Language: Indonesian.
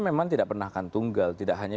memang tidak pernah akan tunggal tidak hanya